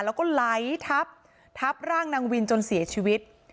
แล้วก็ไหลทับทับร่างนางวินจนเสียชีวิต